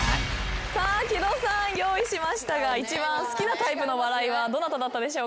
さあ木戸さん用意しましたが一番好きなタイプの笑いはどなただったでしょうか。